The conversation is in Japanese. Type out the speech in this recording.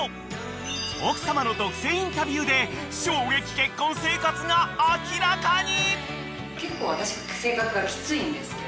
［奥様の独占インタビューで衝撃結婚生活が明らかに］